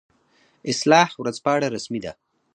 اصلاح ورځپاڼه رسمي ده